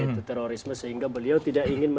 itu terorisme sehingga beliau tidak ingin